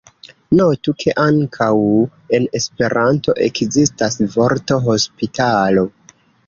Notu, ke ankaŭ en Esperanto ekzistas vorto hospitalo.